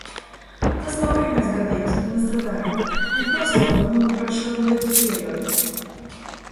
Tas nav pirmais gadījums, kad mēs tā darām, un procedūra, manuprāt, šādu lietu pieļauj.